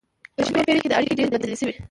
په شلمه پیړۍ کې دا اړیکې ډیرې بدلې شوې